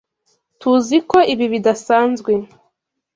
Tuziko ibi bidasanzwe.